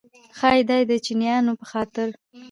ښایي دا یې د چیچنیایانو په خاطر.